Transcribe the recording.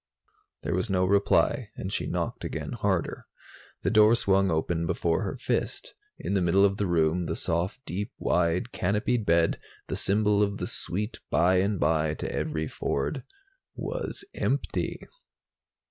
There was no reply and she knocked again, harder. The door swung open before her fist. In the middle of the room, the soft, deep, wide, canopied bed, the symbol of the sweet by and by to every Ford, was empty.